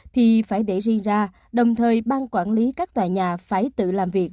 thì phải để riêng ra đồng thời ban quản lý các tòa nhà phải tự làm việc